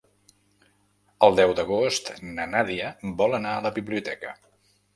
El deu d'agost na Nàdia vol anar a la biblioteca.